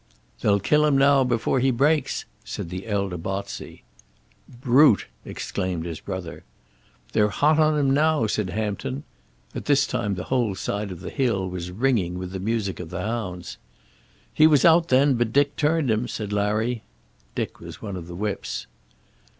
"They'll kill him now before he breaks," said the elder Botsey. "Brute!" exclaimed his brother. "They're hot on him now," said Hampton. At this time the whole side of the hill was ringing with the music of the hounds. "He was out then, but Dick turned him," said Larry. Dick was one of the whips.